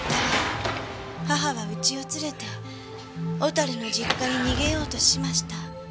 母はうちを連れて小樽の実家に逃げようとしました。